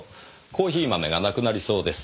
コーヒー豆がなくなりそうです。